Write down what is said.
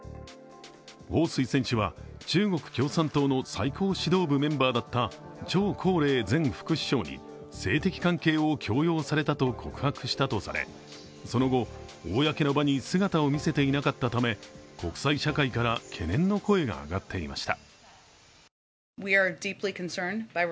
彭帥選手は中国共産党の最高指導部メンバーだった張高麗前副首相に性的関係を強要されたと告白したとされ、その後、公の場に姿を見せていなかったため国際社会から懸念の声が上がっていました。